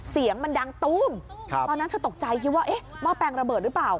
เสียงมันดังตู้มตอนนั้นเธอตกใจคิดว่าเอ๊ะหม้อแปลงระเบิดหรือเปล่า